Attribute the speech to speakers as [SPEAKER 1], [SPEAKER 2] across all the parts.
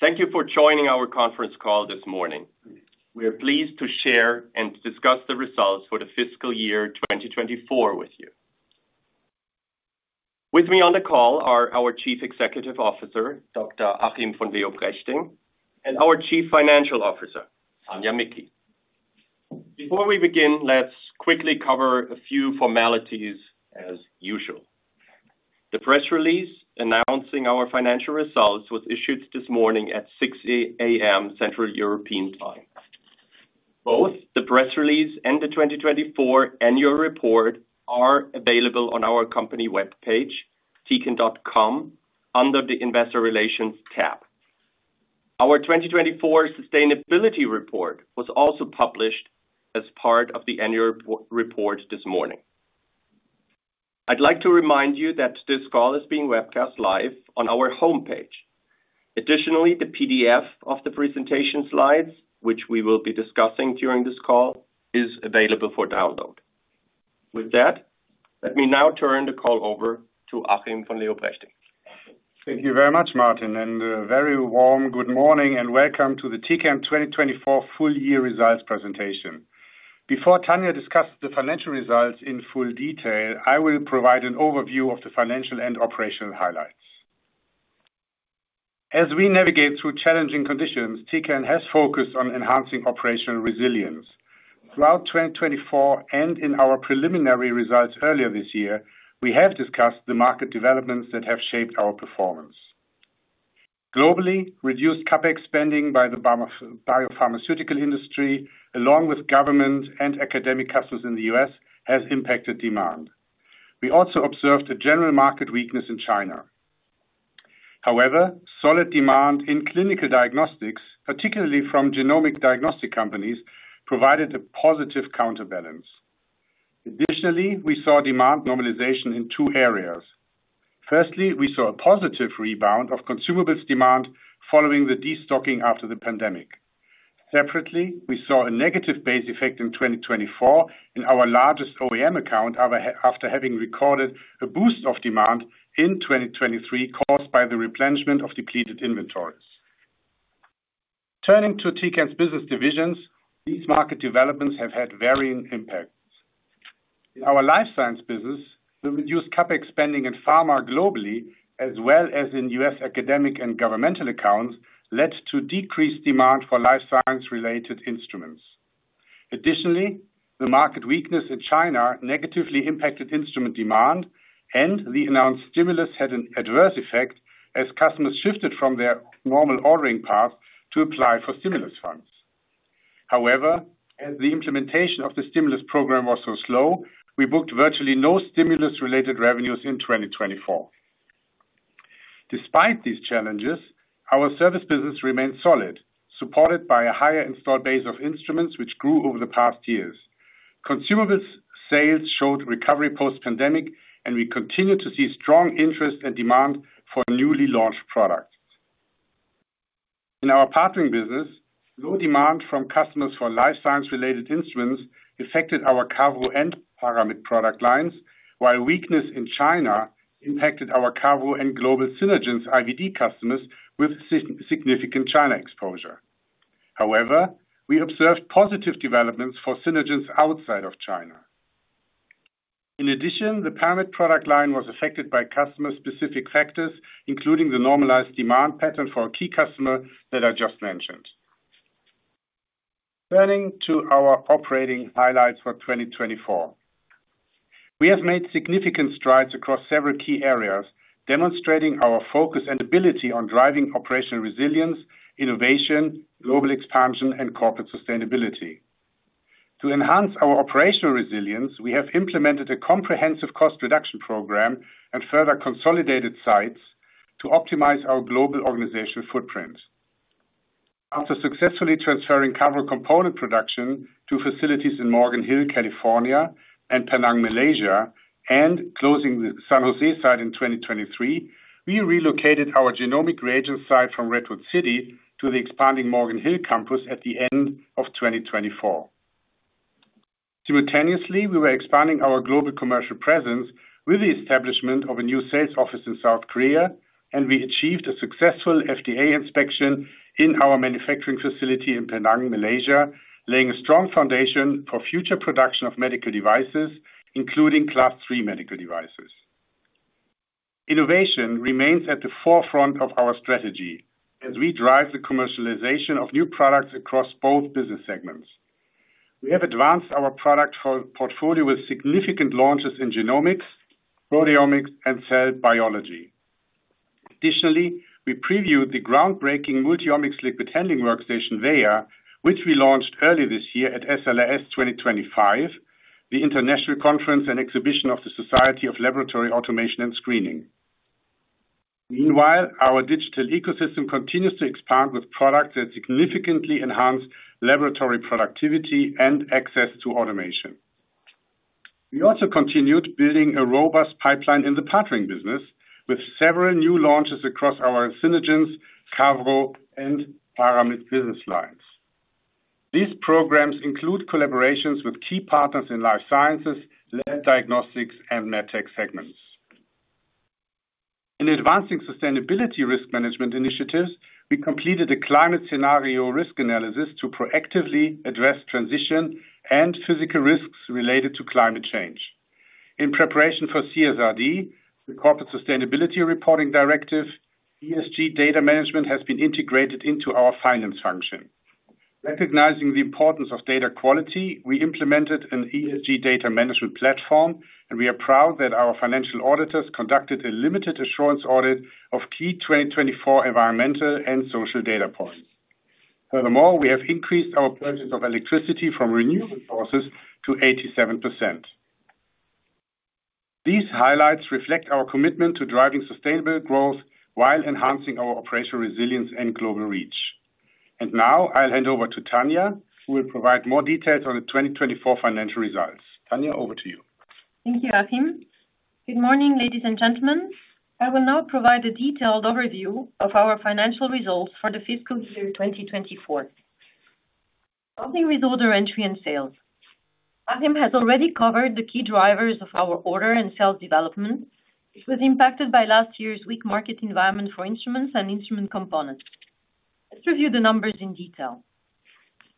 [SPEAKER 1] Thank you for joining our conference call this morning. We are pleased to share and discuss the results for the fiscal year 2024 with you. With me on the call are our Chief Executive Officer, Dr. Achim von Leoprechting, and our Chief Financial Officer, Tania Micki. Before we begin, let's quickly cover a few formalities, as usual. The press release announcing our financial results was issued this morning at 6:00AM Central European Time. Both the press release and the 2024 annual report are available on our company webpage, tecan.com, under the Investor Relations tab. Our 2024 Sustainability Report was also published as part of the annual report this morning. I'd like to remind you that this call is being webcast live on our homepage. Additionally, the PDF of the presentation slides, which we will be discussing during this call, is available for download. With that, let me now turn the call over to Achim von Leoprechting.
[SPEAKER 2] Thank you very much, Martin, and a very warm good morning and welcome to the Tecan 2024 full-year results presentation. Before Tania discusses the financial results in full detail, I will provide an overview of the financial and operational highlights. As we navigate through challenging conditions, Tecan has focused on enhancing operational resilience. Throughout 2024 and in our preliminary results earlier this year, we have discussed the market developments that have shaped our performance. Globally, reduced CapEx spending by the biopharmaceutical industry, along with government and academic customers in the US, has impacted demand. We also observed a general market weakness in China. However, solid demand in clinical diagnostics, particularly from genomic diagnostic companies, provided a positive counterbalance. Additionally, we saw demand normalization in two areas. Firstly, we saw a positive rebound of consumables demand following the destocking after the pandemic. Separately, we saw a negative base effect in 2024 in our largest OEM account after having recorded a boost of demand in 2023 caused by the replenishment of depleted inventories. Turning to Tecan's business divisions, these market developments have had varying impacts. In our life science business, the reduced CapEx spending in pharma globally, as well as in US academic and governmental accounts, led to decreased demand for life science-related instruments. Additionally, the market weakness in China negatively impacted instrument demand, and the announced stimulus had an adverse effect as customers shifted from their normal ordering path to apply for stimulus funds. However, as the implementation of the stimulus program was so slow, we booked virtually no stimulus-related revenues in 2024. Despite these challenges, our service business remained solid, supported by a higher installed base of instruments, which grew over the past years. Consumables sales showed recovery post-pandemic, and we continued to see strong interest and demand for newly launched products. In our Partnering business, low demand from customers for life science-related instruments affected our cargo and Paramit product lines, while weakness in China impacted our cargo and global Synergence IVD customers with significant China exposure. However, we observed positive developments for Synergence outside of China. In addition, the Paramit product line was affected by customer-specific factors, including the normalized demand pattern for a key customer that I just mentioned. Turning to our operating highlights for 2024, we have made significant strides across several key areas, demonstrating our focus and ability on driving operational resilience, innovation, global expansion, and corporate sustainability. To enhance our operational resilience, we have implemented a comprehensive cost reduction program and further consolidated sites to optimize our global organizational footprint. After successfully transferring cargo component production to facilities in Morgan Hill, California, and Penang, Malaysia, and closing the San Jose site in 2023, we relocated our genomic reagents site from Redwood City to the expanding Morgan Hill campus at the end of 2024. Simultaneously, we were expanding our global commercial presence with the establishment of a new sales office in South Korea, and we achieved a successful FDA inspection in our manufacturing facility in Penang, Malaysia, laying a strong foundation for future production of medical devices, including Class three medical devices. Innovation remains at the forefront of our strategy as we drive the commercialization of new products across both business segments. We have advanced our product portfolio with significant launches in genomics, proteomics, and cell biology. Additionally, we previewed the groundbreaking multi-omics liquid handling workstation VEIA, which we launched early this year at SLAS 2025, the international conference and exhibition of the Society of Laboratory Automation and Screening. Meanwhile, our digital ecosystem continues to expand with products that significantly enhance laboratory productivity and access to automation. We also continued building a robust pipeline in the Partnering business with several new launches across our Synergence, Cargo, and Paramit business lines. These programs include collaborations with key partners in Life Sciences, lab diagnostics, and medtech segments. In advancing sustainability risk management initiatives, we completed a climate scenario risk analysis to proactively address transition and physical risks related to climate change. In preparation for CSRD, the Corporate Sustainability Reporting Directive, ESG data management has been integrated into our finance function. Recognizing the importance of data quality, we implemented an ESG data management platform, and we are proud that our financial auditors conducted a limited assurance audit of key 2024 environmental and social data points. Furthermore, we have increased our purchase of electricity from renewable sources to 87%. These highlights reflect our commitment to driving sustainable growth while enhancing our operational resilience and global reach. I will now hand over to Tania, who will provide more details on the 2024 financial results. Tania, over to you.
[SPEAKER 3] Thank you, Achim. Good morning, ladies and gentlemen. I will now provide a detailed overview of our financial results for the fiscal year 2024, starting with order entry and sales. Achim has already covered the key drivers of our order and sales development, which was impacted by last year's weak market environment for instruments and instrument components. Let's review the numbers in detail.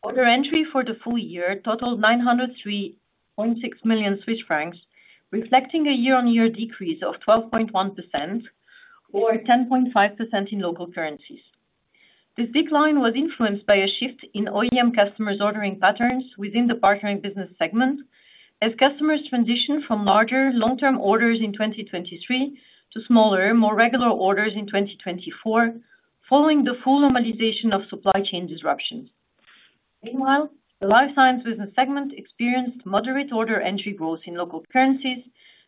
[SPEAKER 3] Order entry for the full year totaled 903.6 million Swiss francs, reflecting a year-on-year decrease of 12.1%, or 10.5% in local currencies. This decline was influenced by a shift in OEM customers' ordering patterns within the Partnering business segment, as customers transitioned from larger, long-term orders in 2023 to smaller, more regular orders in 2024, following the full normalization of supply chain disruptions. Meanwhile, the life science business segment experienced moderate order entry growth in local currencies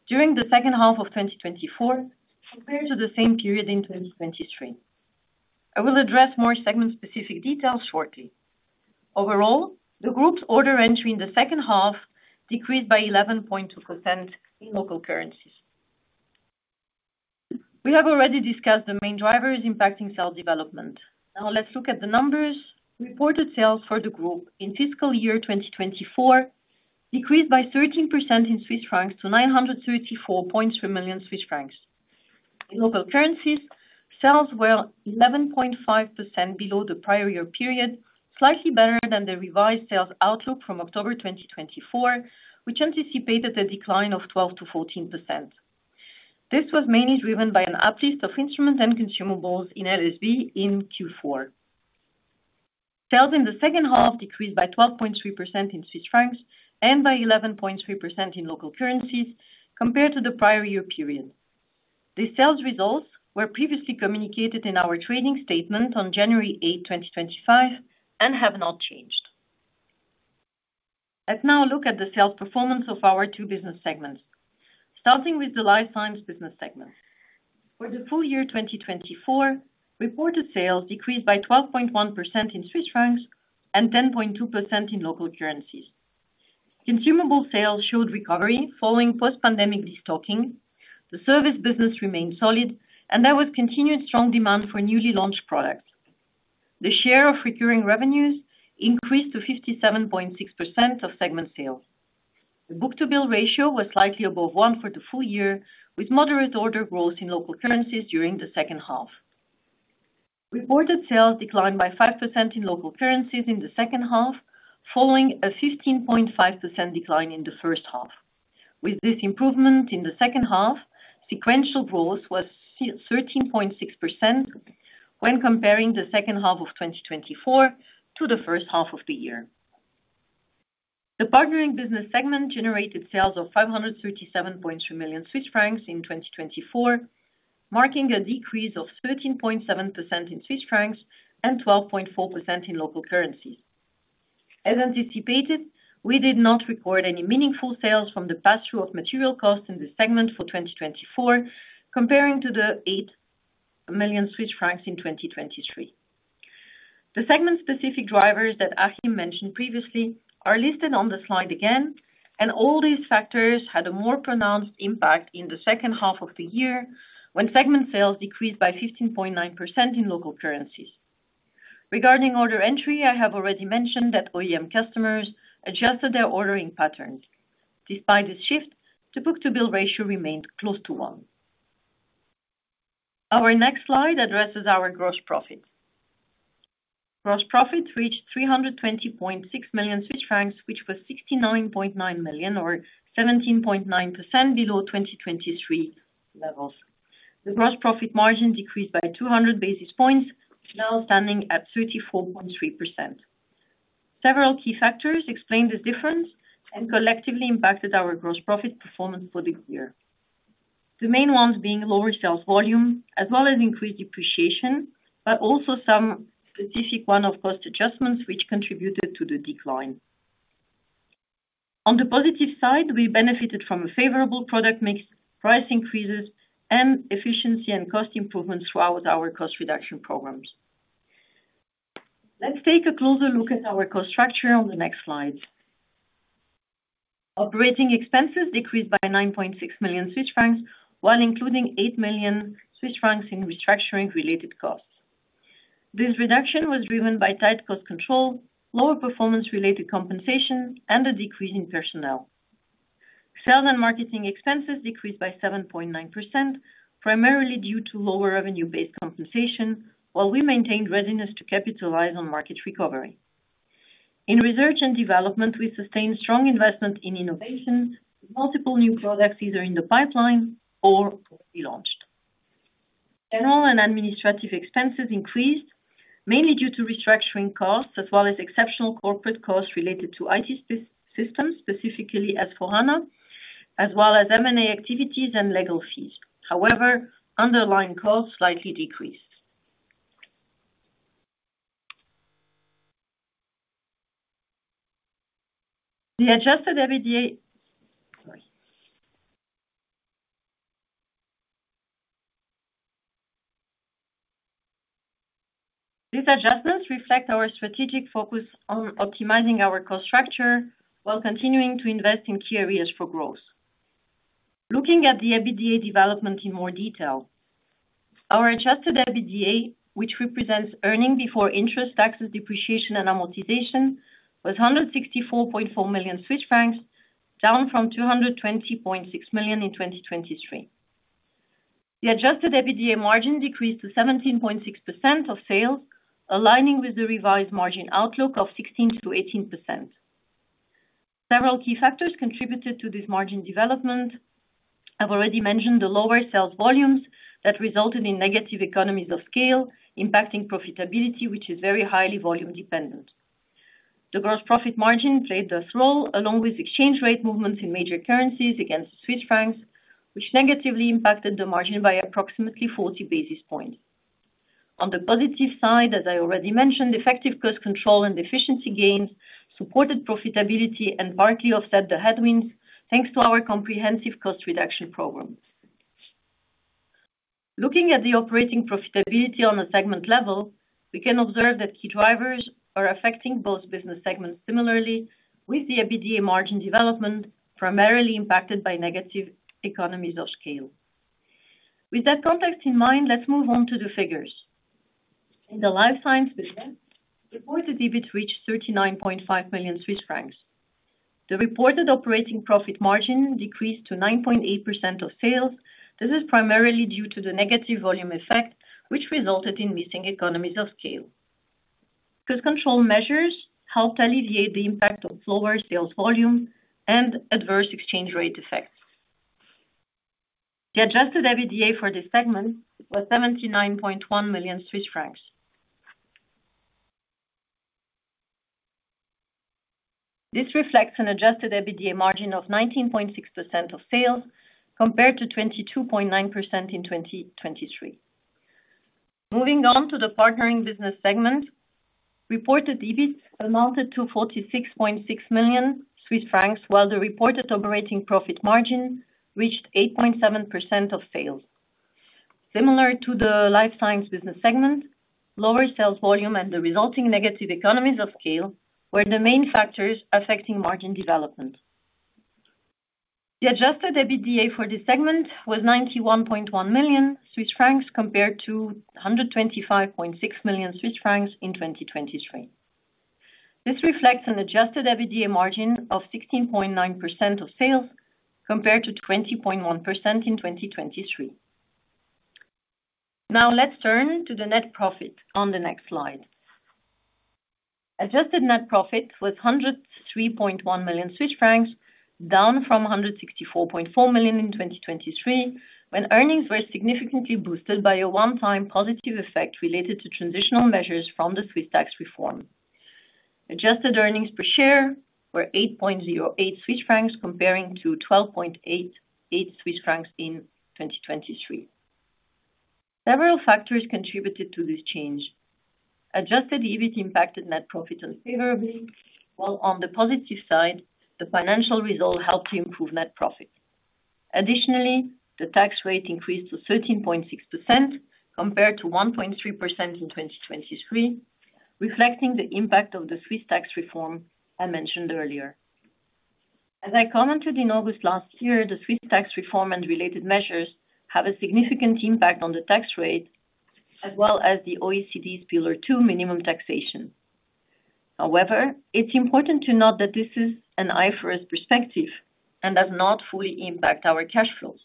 [SPEAKER 3] during the second half of 2024, compared to the same period in 2023. I will address more segment-specific details shortly. Overall, the group's order entry in the second half decreased by 11.2% in local currencies. We have already discussed the main drivers impacting sales development. Now let's look at the numbers. Reported sales for the group in fiscal year 2024 decreased by 13% in Swiss francs to 934.3 million Swiss francs. In local currencies, sales were 11.5% below the prior year period, slightly better than the revised sales outlook from October 2024, which anticipated a decline of 12% to 14%. This was mainly driven by an uplift of instruments and consumables in LSB in Q4. Sales in the second half decreased by 12.3% in Swiss francs and by 11.3% in local currencies, compared to the prior year period. These sales results were previously communicated in our trading statement on 8 January 2025, and have not changed. Let's now look at the sales performance of our two business segments, starting with the life science business segment. For the full year 2024, reported sales decreased by 12.1% in Swiss francs and 10.2% in local currencies. Consumable sales showed recovery following post-pandemic destocking. The service business remained solid, and there was continued strong demand for newly launched products. The share of recurring revenues increased to 57.6% of segment sales. The book-to-bill ratio was slightly above one for the full year, with moderate order growth in local currencies during the second half. Reported sales declined by 5% in local currencies in the second half, following a 15.5% decline in the first half. With this improvement in the second half, sequential growth was 13.6% when comparing the second half of 2024 to the first half of the year. The Partnering business segment generated sales of 537.3 million Swiss francs in 2024, marking a decrease of 13.7% in Swiss francs and 12.4% in local currencies. As anticipated, we did not record any meaningful sales from the pass-through of material costs in the segment for 2024, comparing to the 8 million Swiss francs in 2023. The segment-specific drivers that Achim mentioned previously are listed on the slide again, and all these factors had a more pronounced impact in the second half of the year when segment sales decreased by 15.9% in local currencies. Regarding order entry, I have already mentioned that OEM customers adjusted their ordering patterns. Despite this shift, the book-to-bill ratio remained close to one. Our next slide addresses our gross profits. Gross profits reached 320.6 million Swiss francs, which was 69.9 million, or 17.9% below 2023 levels. The gross profit margin decreased by 200 basis points, now standing at 34.3%. Several key factors explained this difference and collectively impacted our gross profit performance for the year, the main ones being lower sales volume, as well as increased depreciation, but also some specific ones of cost adjustments, which contributed to the decline. On the positive side, we benefited from favorable product mix, price increases, and efficiency and cost improvements throughout our cost reduction programs. Let's take a closer look at our cost structure on the next slide. Operating expenses decreased by 9.6 million Swiss francs while including 8 million Swiss francs in restructuring-related costs. This reduction was driven by tight cost control, lower performance-related compensation, and a decrease in personnel. Sales and marketing expenses decreased by 7.9%, primarily due to lower revenue-based compensation, while we maintained readiness to capitalize on market recovery. In research and development, we sustained strong investment in innovation, multiple new products either in the pipeline or already launched. General and administrative expenses increased, mainly due to restructuring costs, as well as exceptional corporate costs related to IT systems, specifically S/4HANA, as well as M&A activities and legal fees. However, underlying costs slightly decreased. The adjusted EBITDA reflects our strategic focus on optimizing our cost structure while continuing to invest in key areas for growth. Looking at the EBITDA development in more detail, our adjusted EBITDA, which represents earnings before interest, taxes, depreciation, and amortization, was 164.4 million Swiss francs, down from 220.6 million in 2023. The adjusted EBITDA margin decreased to 17.6% of sales, aligning with the revised margin outlook of 16% to 18%. Several key factors contributed to this margin development. I have already mentioned the lower sales volumes that resulted in negative economies of scale, impacting profitability, which is very highly volume-dependent. The gross profit margin played this role, along with exchange rate movements in major currencies against Swiss francs, which negatively impacted the margin by approximately 40 basis points. On the positive side, as I already mentioned, effective cost control and efficiency gains supported profitability and markedly offset the headwinds thanks to our comprehensive cost reduction programs. Looking at the operating profitability on a segment level, we can observe that key drivers are affecting both business segments similarly, with the EBITDA margin development primarily impacted by negative economies of scale. With that context in mind, let's move on to the figures. In the life science business, reported EBIT reached 39.5 million Swiss francs. The reported operating profit margin decreased to 9.8% of sales. This is primarily due to the negative volume effect, which resulted in missing economies of scale. Cost control measures helped alleviate the impact of lower sales volumes and adverse exchange rate effects. The adjusted EBITDA for this segment was 79.1 million Swiss francs. This reflects an adjusted EBITDA margin of 19.6% of sales compared to 22.9% in 2023. Moving on to the Partnering business segment, reported EBIT amounted to 46.6 million Swiss francs, while the reported operating profit margin reached 8.7% of sales. Similar to the life science business segment, lower sales volume and the resulting negative economies of scale were the main factors affecting margin development. The adjusted EBITDA for this segment was 91.1 million Swiss francs compared to 125.6 million Swiss francs in 2023. This reflects an adjusted EBITDA margin of 16.9% of sales compared to 20.1% in 2023. Now let's turn to the net profit on the next slide. Adjusted net profit was 103.1 million Swiss francs, down from 164.4 million in 2023, when earnings were significantly boosted by a one-time positive effect related to transitional measures from the Swiss tax reform. Adjusted earnings per share were 8.08 Swiss francs, comparing to 12.88 Swiss francs in 2023. Several factors contributed to this change. Adjusted EBIT impacted net profit unfavorably, while on the positive side, the financial result helped to improve net profit. Additionally, the tax rate increased to 13.6% compared to 1.3% in 2023, reflecting the impact of the Swiss tax reform I mentioned earlier. As I commented in August last year, the Swiss tax reform and related measures have a significant impact on the tax rate, as well as the OECD's Pillar two minimum taxation. However, it's important to note that this is an IFRS perspective and does not fully impact our cash flows.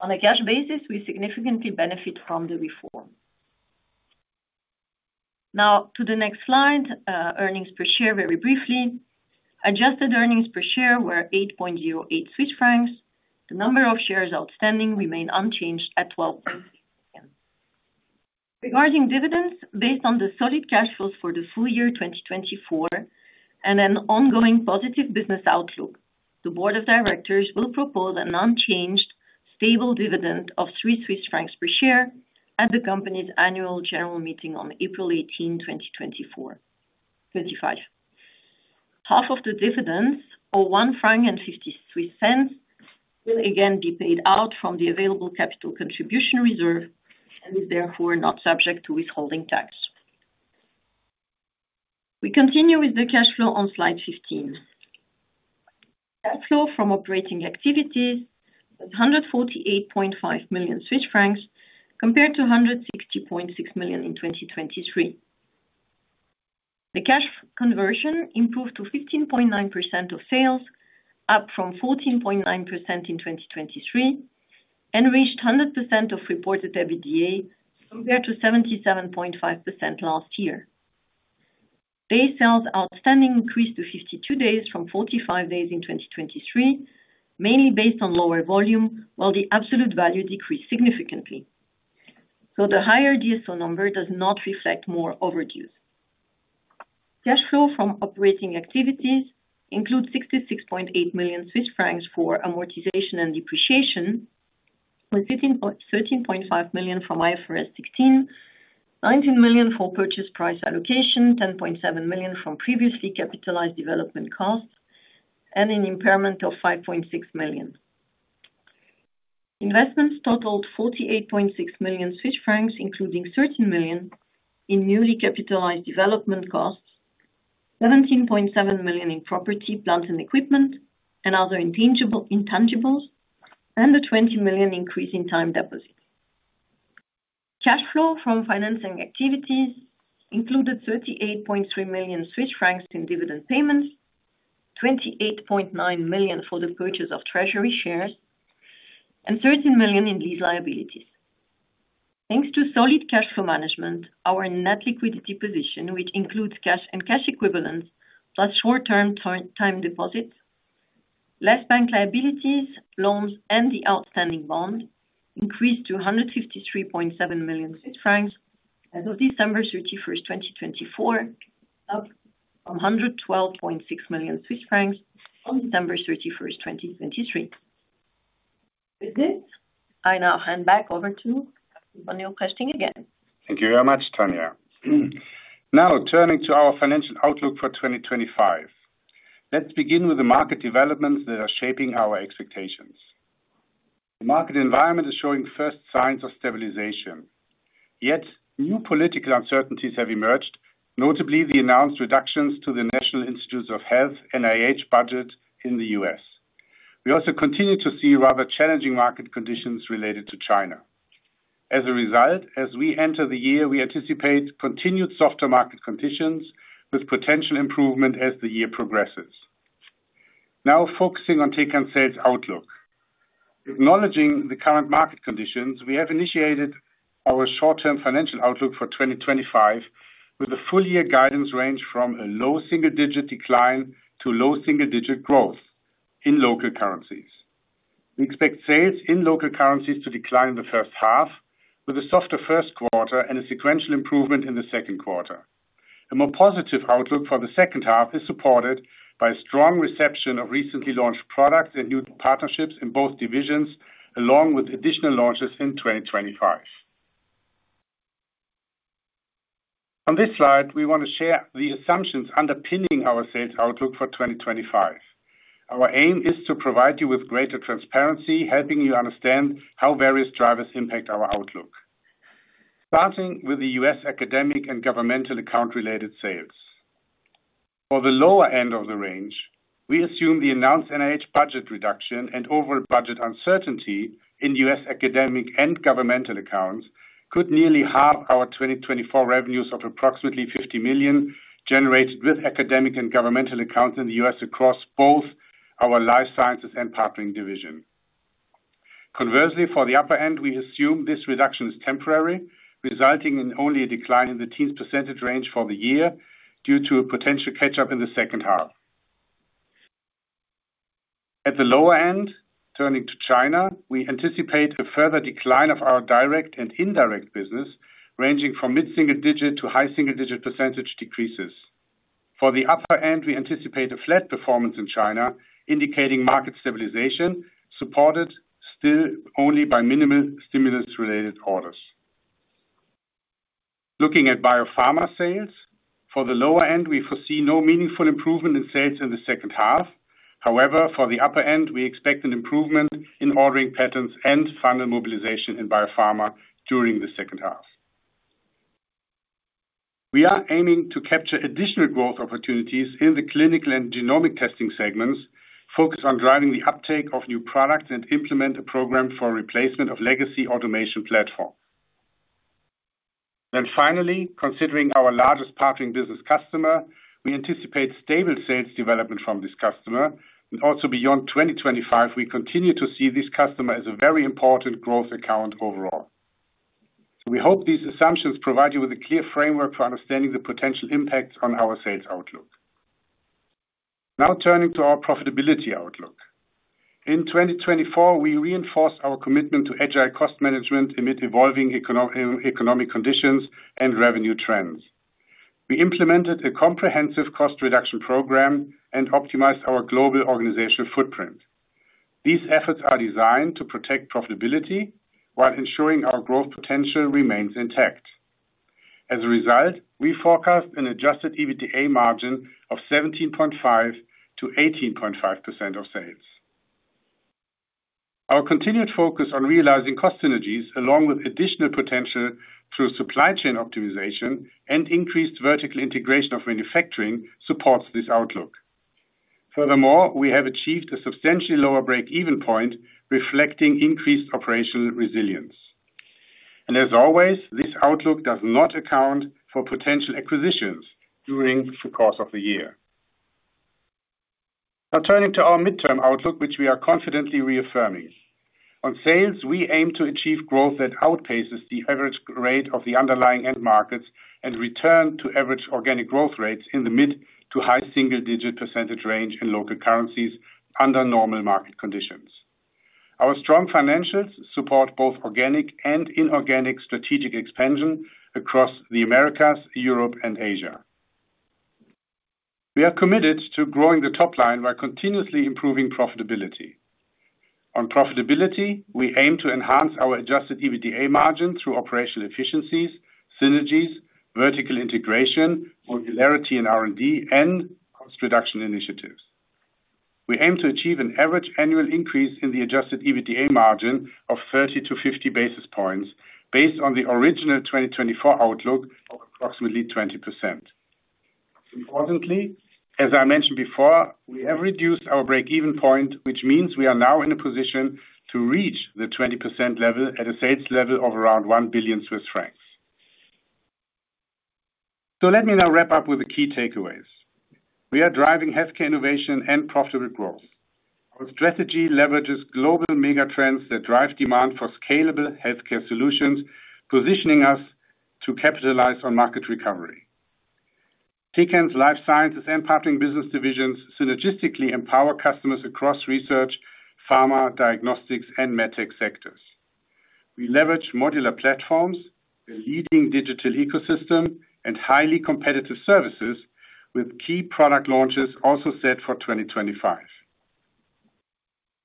[SPEAKER 3] On a cash basis, we significantly benefit from the reform. Now to the next slide, earnings per share very briefly. Adjusted earnings per share were 8.08 Swiss francs. The number of shares outstanding remained unchanged at 12. Regarding dividends, based on the solid cash flows for the full year 2024 and an ongoing positive business outlook, the Board of Directors will propose an unchanged, stable dividend of 3 Swiss francs per share at Annual General Meeting on 18 april 2024. Half of the dividends, or 1.50 franc, will again be paid out from the available capital contribution reserve and is therefore not subject to withholding tax. We continue with the cash flow on slide 15. Cash flow from operating activity is 148.5 million Swiss francs, compared to 160.6 million in 2023. The cash conversion improved to 15.9% of sales, up from 14.9% in 2023, and reached 100% of reported EBITDA, compared to 77.5% last year. Days Sales Outstanding increased to 52 days from 45 days in 2023, mainly based on lower volume, while the absolute value decreased significantly. The higher DSO number does not reflect more overdues. Cash flow from operating activities includes 66.8 million Swiss francs for amortization and depreciation, with 13.5 million from IFRS 16, 19 million for purchase price allocation, 10.7 million from previously capitalized development costs, and an impairment of 5.6 million. Investments totaled 48.6 million Swiss francs, including 13 million in newly capitalized development costs, 17.7 million in property, plants, and equipment, and other intangibles, and a 20 million increase in time deposit. Cash flow from financing activities included 38.3 million Swiss francs in dividend payments, 28.9 million for the purchase of treasury shares, and 13 million in lease liabilities. Thanks to solid cash flow management, our net liquidity position, which includes cash and cash equivalents, plus short-term time deposits, less bank liabilities, loans, and the outstanding bond, increased to 153.7 million Swiss francs as of 31 December 2024, up from 112.6 million Swiss francs on 13 December 2023. With this, I now hand back over to Achim for questions again.
[SPEAKER 2] Thank you very much, Tania. Now turning to our financial outlook for 2025, let's begin with the market developments that are shaping our expectations. The market environment is showing first signs of stabilization, yet new political uncertainties have emerged, notably the announced reductions to the National Institutes of Health (NIH) budget in the US We also continue to see rather challenging market conditions related to China. As a result, as we enter the year, we anticipate continued softer market conditions with potential improvement as the year progresses. Now focusing on Tecan sales outlook. Acknowledging the current market conditions, we have initiated our short-term financial outlook for 2025 with a full-year guidance range from a low single-digit decline to low single-digit growth in local currencies. We expect sales in local currencies to decline in the first half, with a softer Q1 and a sequential improvement in the Q2. A more positive outlook for the second half is supported by strong reception of recently launched products and new partnerships in both divisions, along with additional launches in 2025. On this slide, we want to share the assumptions underpinning our sales outlook for 2025. Our aim is to provide you with greater transparency, helping you understand how various drivers impact our outlook, starting with the US academic and governmental account-related sales. For the lower end of the range, we assume the announced NIH budget reduction and overall budget uncertainty in US academic and governmental accounts could nearly halve our 2024 revenues of approximately 50 million generated with academic and governmental accounts in the US across both our Life Sciences and Partnering division. Conversely, for the upper end, we assume this reduction is temporary, resulting in only a decline in the teens % range for the year due to a potential catch-up in the second half. At the lower end, turning to China, we anticipate a further decline of our direct and indirect business, ranging from mid-single-digit to high single-digit % decreases. For the upper end, we anticipate a flat performance in China, indicating market stabilization, supported still only by minimal stimulus-related orders. Looking at biopharma sales, for the lower end, we foresee no meaningful improvement in sales in the second half. However, for the upper end, we expect an improvement in ordering patterns and final mobilization in biopharma during the second half. We are aiming to capture additional growth opportunities in the clinical and genomic testing segments, focus on driving the uptake of new products and implement a program for replacement of legacy automation platforms. Finally, considering our largest Partnering business customer, we anticipate stable sales development from this customer, and also beyond 2025, we continue to see this customer as a very important growth account overall. We hope these assumptions provide you with a clear framework for understanding the potential impacts on our sales outlook. Now turning to our profitability outlook. In 2024, we reinforced our commitment to agile cost management amid evolving economic conditions and revenue trends. We implemented a comprehensive cost reduction program and optimized our global organizational footprint. These efforts are designed to protect profitability while ensuring our growth potential remains intact. As a result, we forecast an adjusted EBITDA margin of 17.5 to 18.5% of sales. Our continued focus on realizing cost synergies, along with additional potential through supply chain optimization and increased vertical integration of manufacturing, supports this outlook. Furthermore, we have achieved a substantially lower break-even point, reflecting increased operational resilience. As always, this outlook does not account for potential acquisitions during the course of the year. Now turning to our midterm outlook, which we are confidently reaffirming. On sales, we aim to achieve growth that outpaces the average rate of the underlying end markets and return to average organic growth rates in the mid to high single-digit percentage range in local currencies under normal market conditions. Our strong financials support both organic and inorganic strategic expansion across the Americas, Europe, and Asia. We are committed to growing the top line while continuously improving profitability. On profitability, we aim to enhance our adjusted EBITDA margin through operational efficiencies, synergies, vertical integration, modularity in R&D, and cost reduction initiatives. We aim to achieve an average annual increase in the adjusted EBITDA margin of 30 to 50 basis points based on the original 2024 outlook of approximately 20%. Importantly, as I mentioned before, we have reduced our break-even point, which means we are now in a position to reach the 20% level at a sales level of around 1 billion Swiss francs. Let me now wrap up with the key takeaways. We are driving healthcare innovation and profitable growth. Our strategy leverages global mega trends that drive demand for scalable healthcare solutions, positioning us to capitalize on market recovery. Tecan's Life Sciences and Partnering business divisions synergistically empower customers across research, pharma, diagnostics, and medtech sectors. We leverage modular platforms, a leading digital ecosystem, and highly competitive services, with key product launches also set for 2025.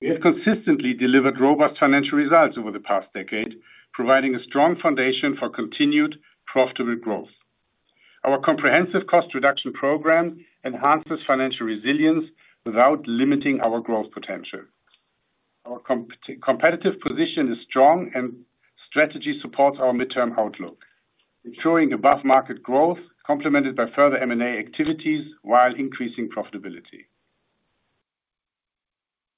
[SPEAKER 2] We have consistently delivered robust financial results over the past decade, providing a strong foundation for continued profitable growth. Our comprehensive cost reduction program enhances financial resilience without limiting our growth potential. Our competitive position is strong, and strategy supports our midterm outlook, ensuring above-market growth complemented by further M&A activities while increasing profitability.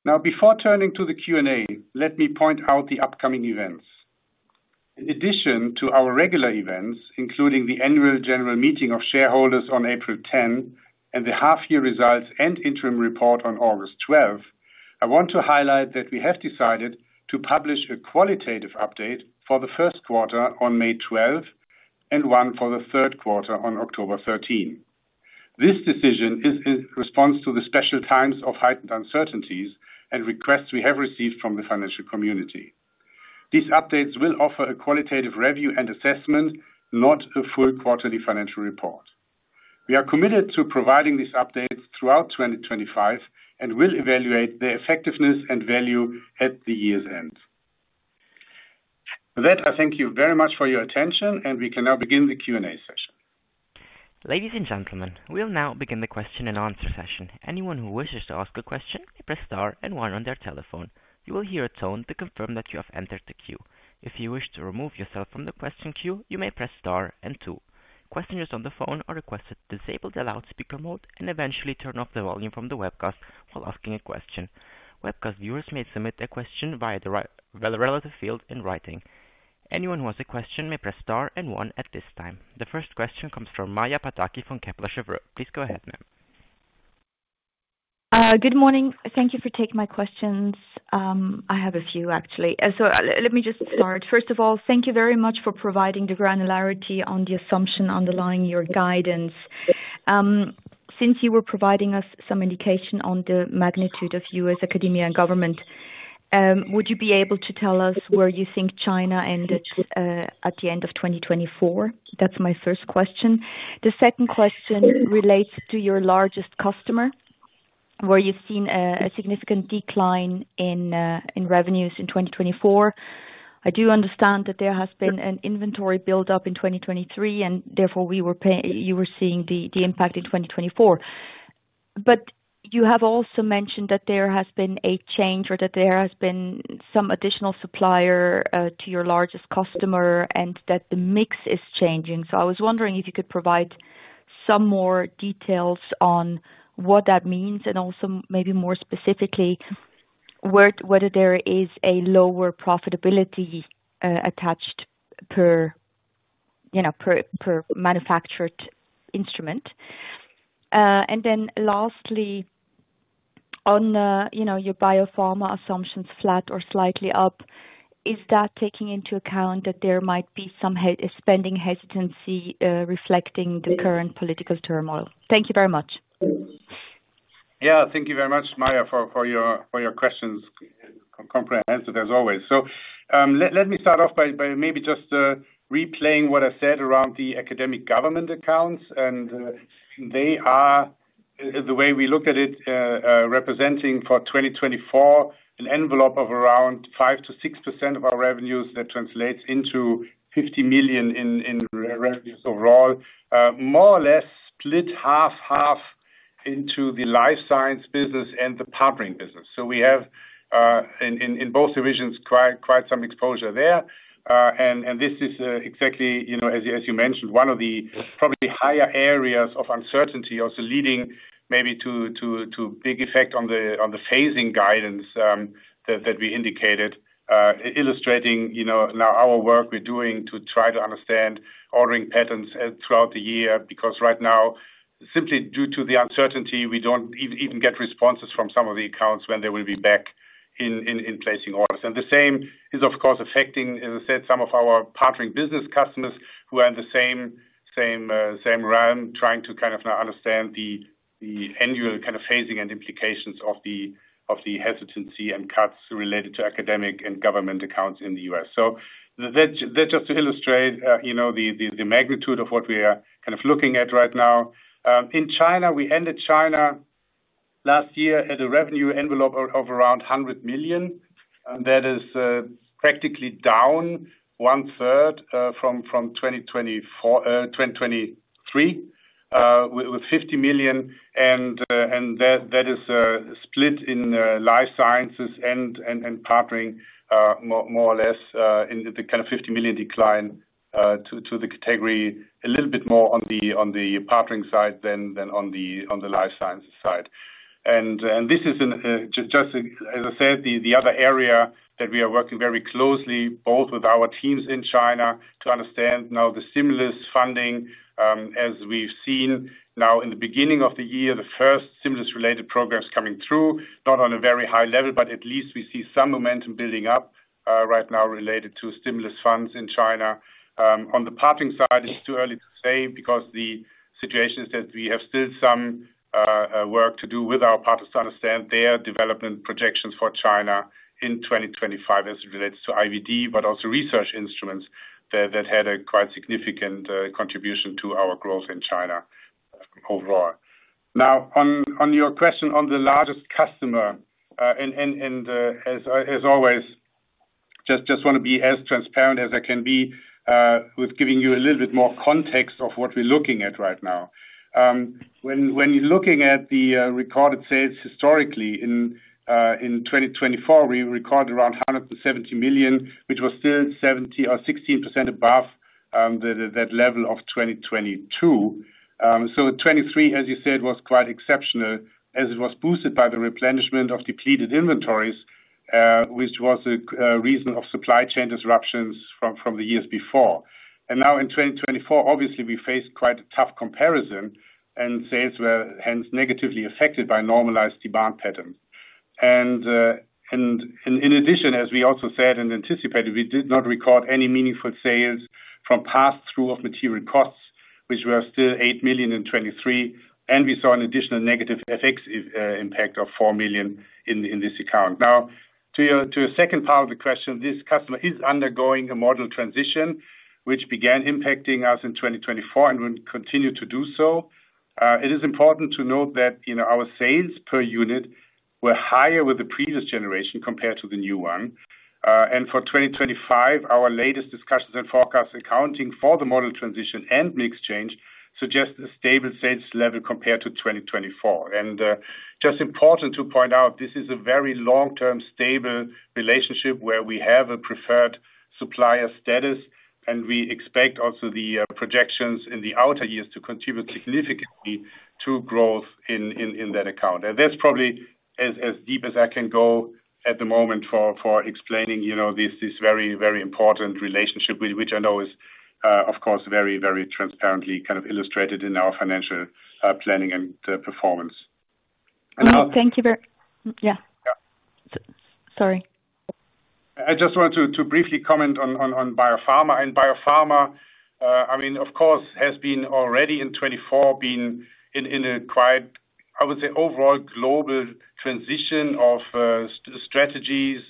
[SPEAKER 2] Now, before turning to the Q&A, let me point out the upcoming events. In addition to our regular events, Annual General Meeting of shareholders on 10 April and the half-year results and interim report on 12 August, I want to highlight that we have decided to publish a qualitative update for the Q1 on 12 May and one for the Q3 on 13 October. This decision is in response to the special times of heightened uncertainties and requests we have received from the financial community. These updates will offer a qualitative review and assessment, not a full quarterly financial report. We are committed to providing these updates throughout 2025 and will evaluate their effectiveness and value at the year's end. With that, I thank you very much for your attention, and we can now begin the Q&A session.
[SPEAKER 4] Ladies and gentlemen, we'll now begin the question and answer session. Anyone who wishes to ask a question may press star and one on their telephone. You will hear a tone to confirm that you have entered the queue. If you wish to remove yourself from the question queue, you may press star and two. Questioners on the phone are requested to disable the loudspeaker mode and eventually turn off the volume from the webcast while asking a question. Webcast viewers may submit a question via the relative field in writing. Anyone who has a question may press star and one at this time. The first question comes from Maja Pataki from Kepler Cheuvreux. Please go ahead, ma'am.
[SPEAKER 5] Good morning. Thank you for taking my questions. I have a few, actually. Let me just start. First of all, thank you very much for providing the granularity on the assumption underlying your guidance. Since you were providing us some indication on the magnitude of US academia and government, would you be able to tell us where you think China ended at the end of 2024? That's my first question. The second question relates to your largest customer, where you've seen a significant decline in revenues in 2024. I do understand that there has been an inventory build-up in 2023, and therefore you were seeing the impact in 2024. You have also mentioned that there has been a change or that there has been some additional supplier to your largest customer and that the mix is changing. I was wondering if you could provide some more details on what that means and also maybe more specifically whether there is a lower profitability attached per manufactured instrument. Lastly, on your biopharma assumptions, flat or slightly up, is that taking into account that there might be some spending hesitancy reflecting the current political turmoil? Thank you very much.
[SPEAKER 2] Yeah, thank you very much, Maja, for your questions. Comprehensive, as always. Let me start off by maybe just replaying what I said around the academic government accounts. They are, the way we look at it, representing for 2024 an envelope of around 5% to 6% of our revenues that translates into 50 million in revenues overall, more or less split half-half into the life science business and the Partnering business. We have in both divisions quite some exposure there. This is exactly, as you mentioned, one of the probably higher areas of uncertainty or the leading maybe to big effect on the phasing guidance that we indicated, illustrating now our work we're doing to try to understand ordering patterns throughout the year, because right now, simply due to the uncertainty, we don't even get responses from some of the accounts when they will be back in placing orders. The same is, of course, affecting, as I said, some of our Partnering business customers who are in the same realm trying to kind of understand the annual kind of phasing and implications of the hesitancy and cuts related to academic and government accounts in the US That just to illustrate the magnitude of what we are kind of looking at right now. In China, we ended China last year at a revenue envelope of around 100 million. That is practically down one-third from 2023, with 50 million. That is split in Life Sciences and partnering, more or less, in the kind of 50 million decline to the category, a little bit more on the Partnering side than on the Life Sciences side. This is just, as I said, the other area that we are working very closely, both with our teams in China to understand now the stimulus funding, as we've seen now in the beginning of the year, the first stimulus-related progress coming through, not on a very high level, but at least we see some momentum building up right now related to stimulus funds in China. On the Partnering side, it's too early to say because the situation is that we have still some work to do with our partners to understand their development projections for China in 2025 as it relates to IVD, but also research instruments that had a quite significant contribution to our growth in China overall. Now, on your question on the largest customer, and as always, just want to be as transparent as I can be with giving you a little bit more context of what we're looking at right now. When you're looking at the recorded sales historically in 2024, we recorded around 170 million, which was still 16% above that level of 2022. 2023, as you said, was quite exceptional as it was boosted by the replenishment of depleted inventories, which was a reason of supply chain disruptions from the years before. In 2024, obviously, we faced quite a tough comparison, and sales were hence negatively affected by normalized demand pattern. In addition, as we also said and anticipated, we did not record any meaningful sales from pass-through of material costs, which were still 8 million in 2023. We saw an additional negative FX impact of 4 million in this account. Now, to a second part of the question, this customer is undergoing a modal transition, which began impacting us in 2024 and will continue to do so. It is important to note that our sales per unit were higher with the previous generation compared to the new one. For 2025, our latest discussions and forecasts accounting for the modal transition and mix change suggest a stable sales level compared to 2024. is just important to point out, this is a very long-term stable relationship where we have a preferred supplier status, and we expect also the projections in the outer years to contribute significantly to growth in that account. That is probably as deep as I can go at the moment for explaining this very, very important relationship, which I know is, of course, very, very transparently kind of illustrated in our financial planning and performance.
[SPEAKER 5] Thank you very much. Yeah. Sorry.
[SPEAKER 2] I just wanted to briefly comment on biopharma. biopharma, I mean, of course, has been already in 2024, been in a quite, I would say, overall global transition of strategies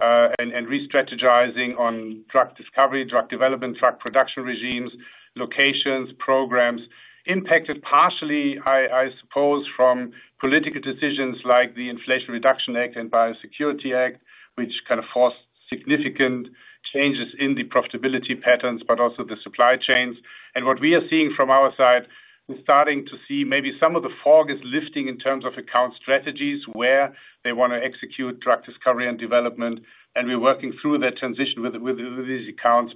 [SPEAKER 2] and restrategizing on drug discovery, drug development, drug production regimes, locations, programs impacted partially, I suppose, from political decisions like the Inflation Reduction Act and Biosecurity Act, which kind of forced significant changes in the profitability patterns, but also the supply chains. What we are seeing from our side, we're starting to see maybe some of the fog is lifting in terms of account strategies where they want to execute drug discovery and development. We're working through that transition with these accounts.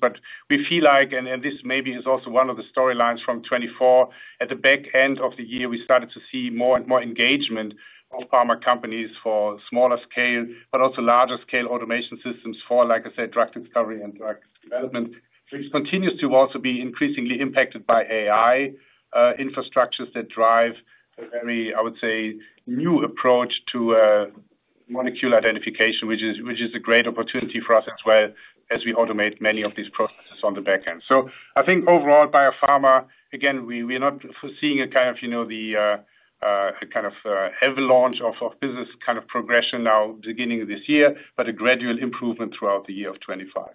[SPEAKER 2] We feel like, and this maybe is also one of the storylines from 2024, at the back end of the year, we started to see more and more engagement of pharma companies for smaller scale, but also larger scale automation systems for, like I said, drug discovery and drug development, which continues to also be increasingly impacted by AI infrastructures that drive, I would say, a new approach to molecule identification, which is a great opportunity for us as well as we automate many of these processes on the back end. I think overall, biopharma, again, we are not seeing a kind of the kind of avalanche of business kind of progression now beginning this year, but a gradual improvement throughout the year of 2025.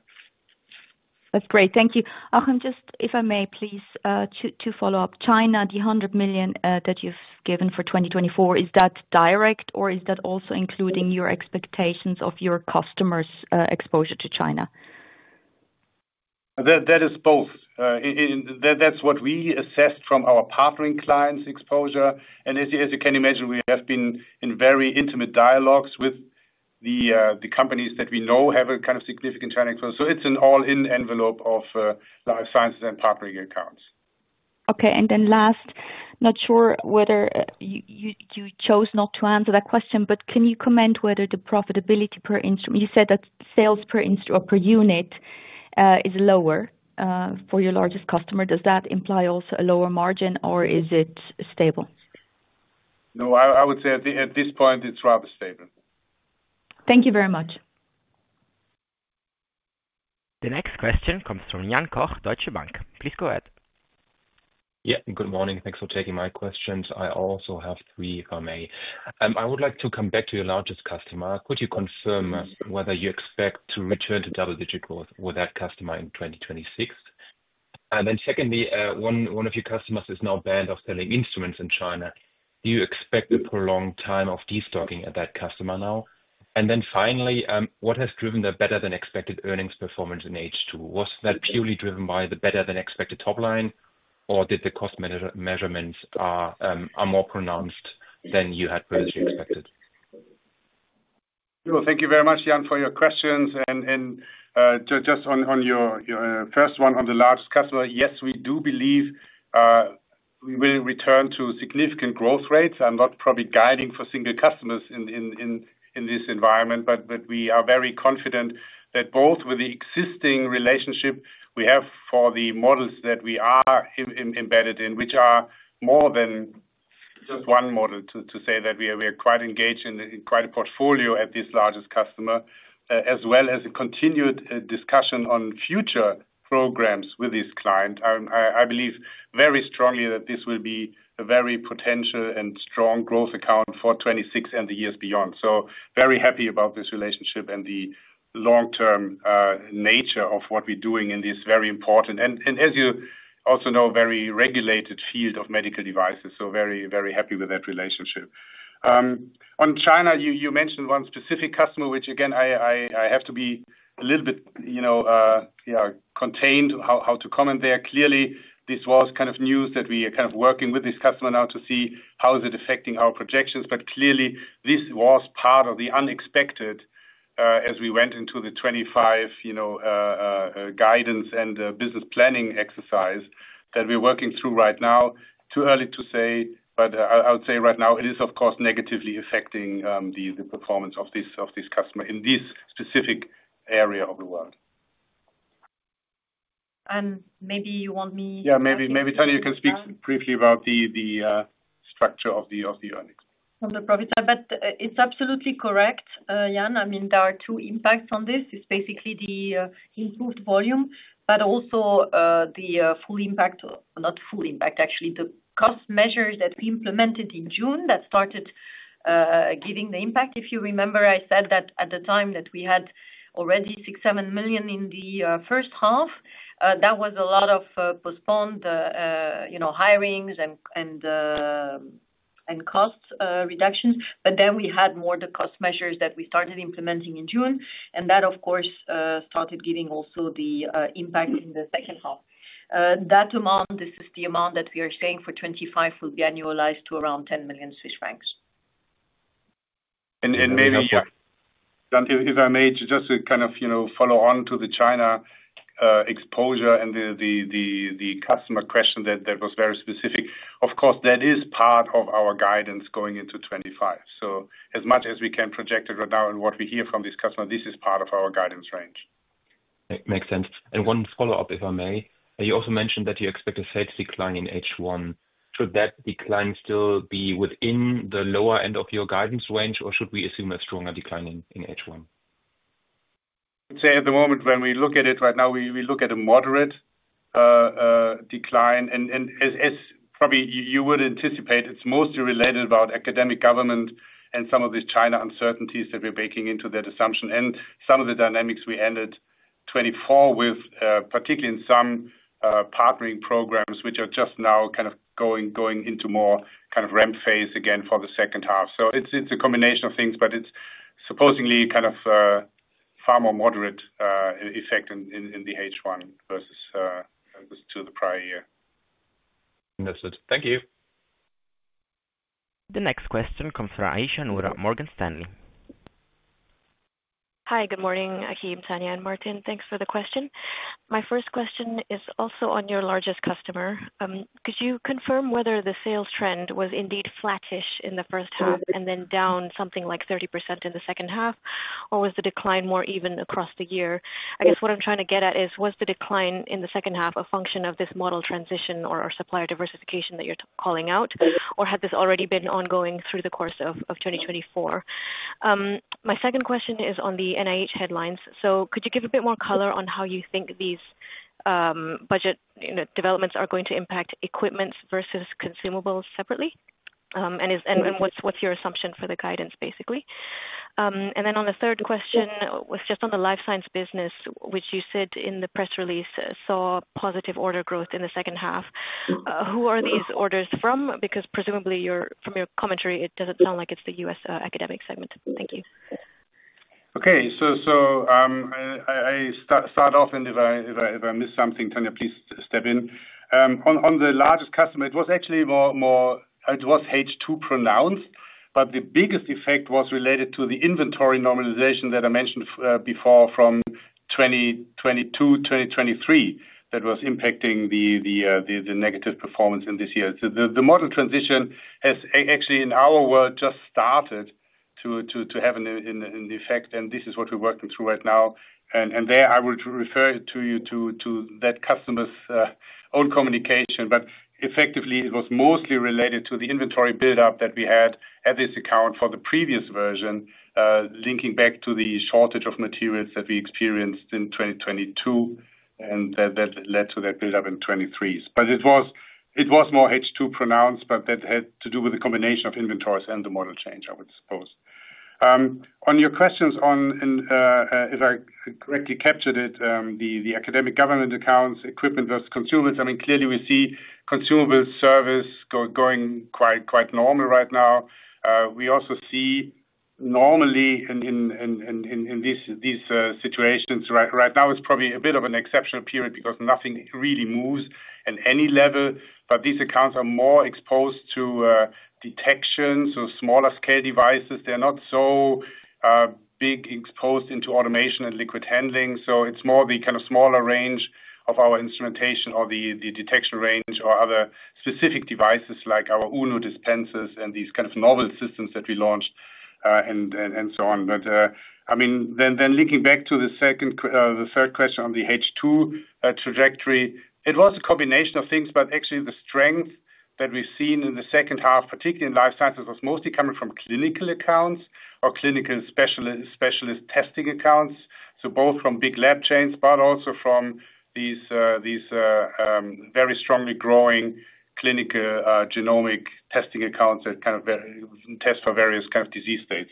[SPEAKER 5] That's great. Thank you. Achim, just if I may, please, to follow up, China, the 100 million that you've given for 2024, is that direct or is that also including your expectations of your customers' exposure to China?
[SPEAKER 2] That is both. That's what we assessed from our Partnering clients' exposure. As you can imagine, we have been in very intimate dialogues with the companies that we know have a kind of significant China exposure. It is an all-in envelope of Life Sciences and Partnering accounts.
[SPEAKER 5] Okay. Last, not sure whether you chose not to answer that question, but can you comment whether the profitability per instrument, you said that sales per unit is lower for your largest customer. Does that imply also a lower margin or is it stable?
[SPEAKER 2] No, I would say at this point, it is rather stable.
[SPEAKER 5] Thank you very much.
[SPEAKER 4] The next question comes from Jan Koch, Deutsche Bank. Please go ahead.
[SPEAKER 6] Yeah, good morning. Thanks for taking my questions. I also have three, if I may. I would like to come back to your largest customer. Could you confirm whether you expect to return to double-digit growth with that customer in 2026? Secondly, one of your customers is now banned from selling instruments in China. Do you expect a prolonged time of destocking at that customer now? Finally, what has driven the better-than-expected earnings performance in H2? Was that purely driven by the better-than-expected topline, or did the cost measurements come in more pronounced than you had previously expected?
[SPEAKER 2] Thank you very much, Jan, for your questions. Just on your first one on the large customer, yes, we do believe we will return to significant growth rates. I'm not probably guiding for single customers in this environment, but we are very confident that both with the existing relationship we have for the models that we are embedded in, which are more than just one model to say that we are quite engaged in quite a portfolio at this largest customer, as well as a continued discussion on future programs with this client. I believe very strongly that this will be a very potential and strong growth account for 2026 and the years beyond. I am very happy about this relationship and the long-term nature of what we're doing in this very important, and as you also know, very regulated field of medical devices. I am very, very happy with that relationship. On China, you mentioned one specific customer, which again, I have to be a little bit, yeah, contained how to comment there. Clearly, this was kind of news that we are kind of working with this customer now to see how is it affecting our projections. Clearly, this was part of the unexpected as we went into the 2025 guidance and business planning exercise that we're working through right now. Too early to say, but I would say right now, it is, of course, negatively affecting the performance of this customer in this specific area of the world.
[SPEAKER 3] Maybe you want me to. Yeah, maybe Tania, you can speak briefly about the structure of the earnings. I'm not properly sure, but it's absolutely correct, Jan. I mean, there are two impacts on this. It's basically the improved volume, but also the full impact, not full impact, actually, the cost measures that we implemented in June that started giving the impact. If you remember, I said that at the time that we had already six, seven million in the first half, that was a lot of postponed hirings and cost reductions. Then we had more of the cost measures that we started implementing in June. That, of course, started giving also the impact in the second half. That amount, this is the amount that we are saying for 2025 will be annualized to around 10 million Swiss francs. Maybe, if I may, just to kind of follow on to the China exposure and the customer question that was very specific, of course, that is part of our guidance going into 2025. As much as we can project it right now and what we hear from this customer, this is part of our guidance range. Makes sense. One follow-up, if I may. You also mentioned that you expect a slight decline in H1. Should that decline still be within the lower end of your guidance range, or should we assume a stronger decline in H1? I'd say at the moment, when we look at it right now, we look at a moderate decline. As probably you would anticipate, it's mostly related about academic government and some of these China uncertainties that we're baking into that assumption. Some of the dynamics we ended 2024 with, particularly in some Partnering programs, are just now kind of going into more kind of ramp phase again for the second half. It is a combination of things, but it's supposedly kind of far more moderate effect in the H1 versus to the prior year.
[SPEAKER 6] Understood. Thank you.
[SPEAKER 4] The next question comes from Aisyah Noor from Morgan Stanley.
[SPEAKER 7] Hi, good morning, Achim, Tania, and Martin. Thanks for the question. My first question is also on your largest customer. Could you confirm whether the sales trend was indeed flattish in the first half and then down something like 30% in the second half, or was the decline more even across the year? I guess what I'm trying to get at is, was the decline in the second half a function of this model transition or supplier diversification that you're calling out, or had this already been ongoing through the course of 2024? My second question is on the NIH headlines. Could you give a bit more color on how you think these budget developments are going to impact equipment versus consumables separately? What's your assumption for the guidance, basically? On the third question, it was just on the life science business, which you said in the press release saw positive order growth in the second half. Who are these orders from? Because presumably from your commentary, it does not sound like it is the US academic segment. Thank you.
[SPEAKER 2] Okay. I will start off. If I miss something, Tania, please step in. On the largest customer, it was actually more H2 pronounced, but the biggest effect was related to the inventory normalization that I mentioned before from 2022, 2023, that was impacting the negative performance in this year. The model transition has actually, in our world, just started to have an effect, and this is what we are working through right now. I would refer you to that customer's own communication. Effectively, it was mostly related to the inventory buildup that we had at this account for the previous version, linking back to the shortage of materials that we experienced in 2022, and that led to that buildup in 2023. It was more H2 pronounced, but that had to do with the combination of inventories and the model change, I would suppose. On your questions on, if I correctly captured it, the academic government accounts, equipment versus consumables, I mean, clearly we see consumables service going quite normal right now. We also see normally in these situations right now, it's probably a bit of an exceptional period because nothing really moves at any level. These accounts are more exposed to detection, so smaller scale devices. They're not so big exposed into automation and liquid handling. It is more the kind of smaller range of our instrumentation or the detection range or other specific devices like our Uno dispensers and these kind of novel systems that we launched and so on. I mean, then linking back to the third question on the H2 trajectory, it was a combination of things, but actually the strength that we've seen in the second half, particularly in Life Sciences, was mostly coming from clinical accounts or clinical specialist testing accounts. Both from big lab chains, but also from these very strongly growing clinical genomic testing accounts that kind of test for various kinds of disease states.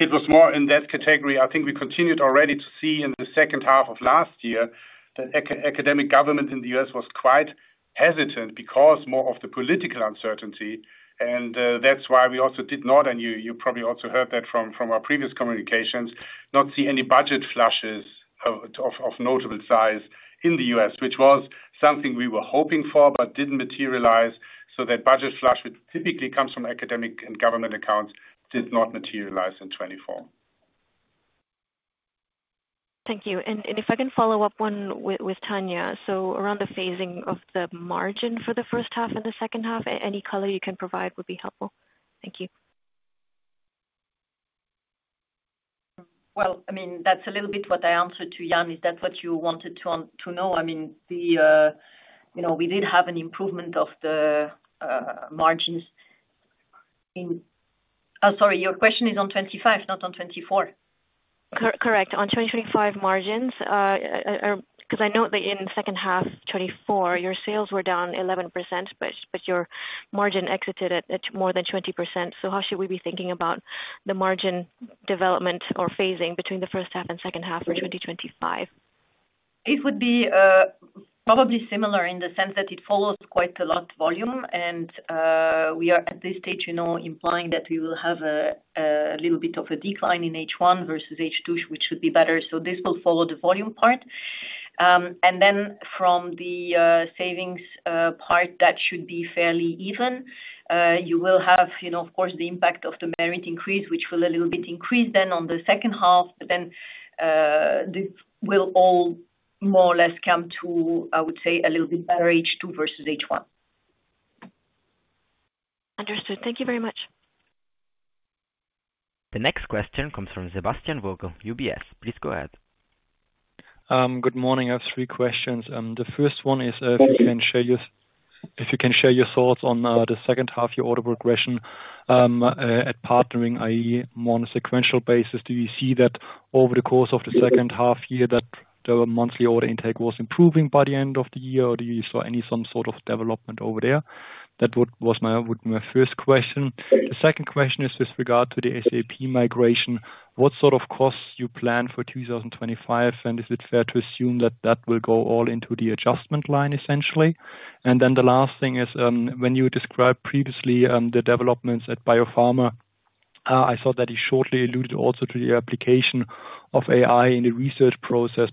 [SPEAKER 2] It was more in that category. I think we continued already to see in the second half of last year that academic government in the US was quite hesitant because more of the political uncertainty. That is why we also did not, and you probably also heard that from our previous communications, not see any budget flushes of notable size in the US, which was something we were hoping for but did not materialize. That budget flush, which typically comes from academic and government accounts, did not materialize in 2024.
[SPEAKER 7] Thank you. If I can follow up one with Tania, around the phasing of the margin for the first half and the second half, any color you can provide would be helpful. Thank you.
[SPEAKER 3] I mean, that is a little bit what I answered to Jan. Is that what you wanted to know? I mean, we did have an improvement of the margins in—sorry, your question is on 2025, not on 2024. Correct.
[SPEAKER 7] On 2025 margins, because I know that in the second half, 2024, your sales were down 11%, but your margin exited at more than 20%. How should we be thinking about the margin development or phasing between the first half and second half for 2025?
[SPEAKER 3] It would be probably similar in the sense that it follows quite a lot of volume. We are at this stage implying that we will have a little bit of a decline in H1 versus H2, which should be better. This will follow the volume part. From the savings part, that should be fairly even. You will have, of course, the impact of the merit increase, which will a little bit increase then on the second half. This will all more or less come to, I would say, a little bit better H2 versus H1.
[SPEAKER 7] Understood. Thank you very much.
[SPEAKER 4] The next question comes from Sebastian Vogel, UBS. Please go ahead.
[SPEAKER 8] Good morning. I have three questions. The first one is if you can share your thoughts on the second half, your order progression at partnering, i.e., more on a sequential basis. Do you see that over the course of the second half year that the monthly order intake was improving by the end of the year, or do you saw any sort of development over there? That was my first question. The second question is with regard to the SAP migration. What sort of costs do you plan for 2025? And is it fair to assume that that will go all into the adjustment line, essentially? The last thing is when you described previously the developments at biopharma, I saw that you shortly alluded also to the application of AI in the research process.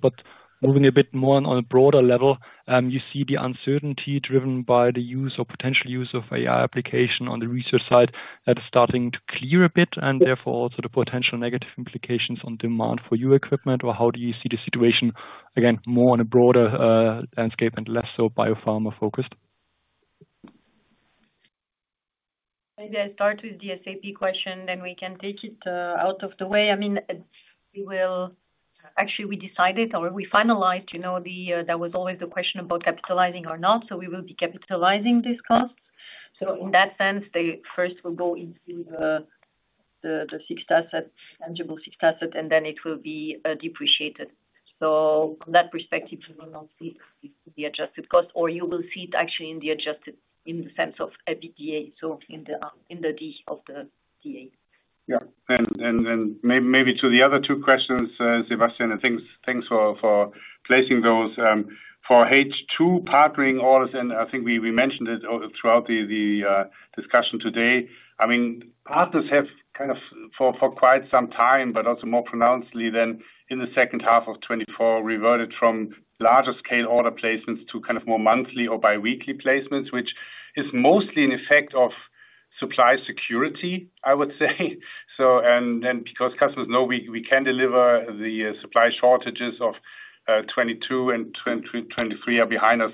[SPEAKER 8] Moving a bit more on a broader level, do you see the uncertainty driven by the use or potential use of AI application on the research side that is starting to clear a bit, and therefore also the potential negative implications on demand for your equipment? How do you see the situation, again, more on a broader landscape and less so biopharma-focused?
[SPEAKER 3] Maybe I start with the SAP question, then we can take it out of the way. I mean, actually, we decided or we finalized that was always the question about capitalizing or not. We will be capitalizing these costs. In that sense, they first will go into the fixed asset, tangible fixed asset, and then it will be depreciated. From that perspective, you will not see the adjusted cost, or you will see it actually in the adjusted in the sense of EBITDA, so in the D of the EBITDA.
[SPEAKER 2] Yeah. Maybe to the other two questions, Sebastian, and thanks for placing those. For H2 Partnering orders, and I think we mentioned it throughout the discussion today, I mean, partners have kind of for quite some time, but also more pronouncedly than in the second half of 2024, reverted from larger scale order placements to kind of more monthly or biweekly placements, which is mostly an effect of supply security, I would say. Then because customers know we can deliver, the supply shortages of 2022 and 2023 are behind us.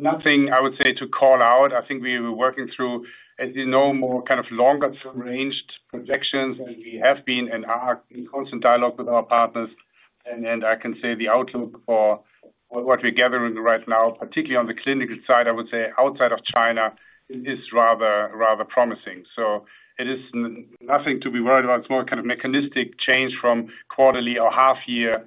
[SPEAKER 2] Nothing, I would say, to call out. I think we were working through, as you know, more kind of longer-ranged projections than we have been and are in constant dialogue with our partners. I can say the outlook for what we're gathering right now, particularly on the clinical side, I would say outside of China, it is rather promising. It is nothing to be worried about. It's more kind of mechanistic change from quarterly or half-year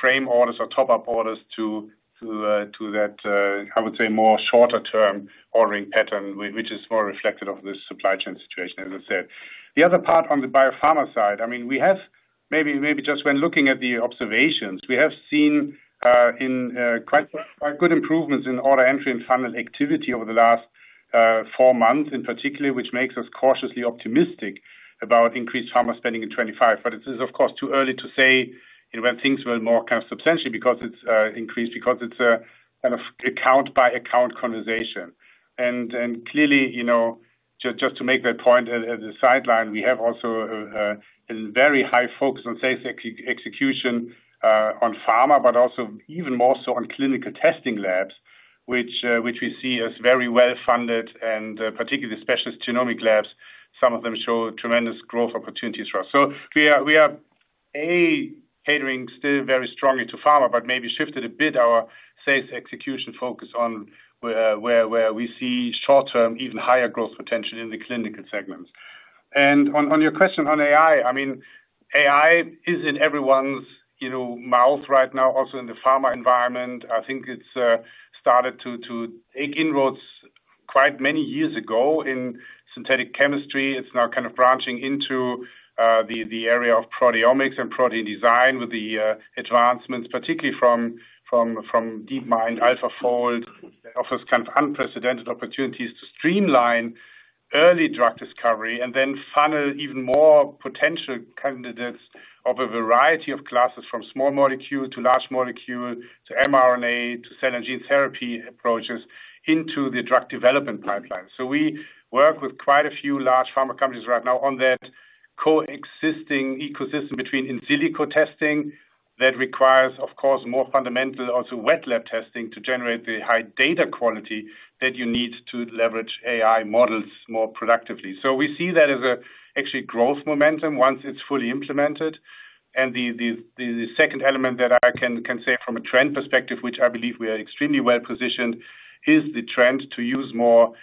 [SPEAKER 2] frame orders or top-up orders to that, I would say, more shorter-term ordering pattern, which is more reflective of the supply chain situation, as I said. The other part on the biopharma side, I mean, we have maybe just when looking at the observations, we have seen quite good improvements in order entry and final activity over the last four months in particular, which makes us cautiously optimistic about increased pharma spending in 2025. It is, of course, too early to say when things will more kind of substantially because it's increased because it's a kind of account-by-account conversation. Clearly, just to make that point at the sideline, we have also a very high focus on sales execution on pharma, but also even more so on clinical testing labs, which we see as very well-funded and particularly specialist genomic labs. Some of them show tremendous growth opportunities for us. We are, a catering still very strongly to pharma, but maybe shifted a bit our sales execution focus on where we see short-term, even higher growth potential in the clinical segments. On your question on AI, I mean, AI is in everyone's mouth right now, also in the pharma environment. I think it started to take inroads quite many years ago in synthetic chemistry. It's now kind of branching into the area of proteomics and protein design with the advancements, particularly from DeepMind, AlphaFold, that offers kind of unprecedented opportunities to streamline early drug discovery and then funnel even more potential candidates of a variety of classes from small molecule to large molecule to mRNA to cell and gene therapy approaches into the drug development pipeline. We work with quite a few large pharma companies right now on that coexisting ecosystem between in silico testing that requires, of course, more fundamental also wet lab testing to generate the high data quality that you need to leverage AI models more productively. We see that as actually growth momentum once it's fully implemented. The second element that I can say from a trend perspective, which I believe we are extremely well positioned, is the trend to use more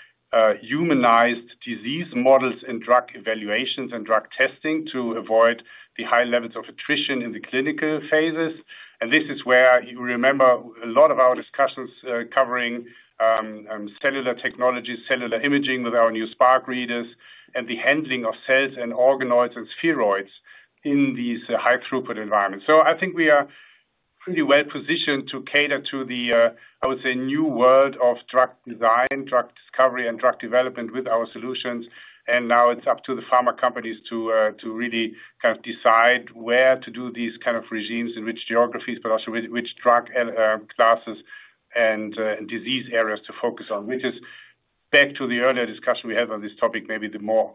[SPEAKER 2] humanized disease models in drug evaluations and drug testing to avoid the high levels of attrition in the clinical phases. This is where you remember a lot of our discussions covering cellular technologies, cellular imaging with our new Spark readers, and the handling of cells and organoids and spheroids in these high-throughput environments. I think we are pretty well positioned to cater to the, I would say, new world of drug design, drug discovery, and drug development with our solutions. Now it's up to the pharma companies to really kind of decide where to do these kind of regimes in which geographies, but also which drug classes and disease areas to focus on, which is back to the earlier discussion we had on this topic, maybe the more